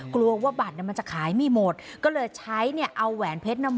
กลัวว่าบัตรมันจะขายไม่หมดก็เลยใช้เนี่ยเอาแหวนเพชร